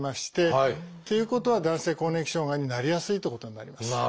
ということは男性更年期障害になりやすいということになります。